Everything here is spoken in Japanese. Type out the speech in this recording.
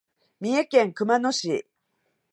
三重県熊野市